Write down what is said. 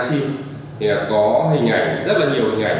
thì là có hình ảnh rất là nhiều hình ảnh